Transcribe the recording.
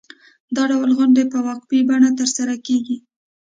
دا ډول غونډې په وقفې بڼه ترسره کېږي.